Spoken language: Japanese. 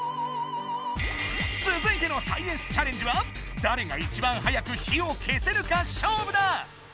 つづいてのサイエンスチャレンジはだれがいちばんはやく火を消せるかしょうぶだ！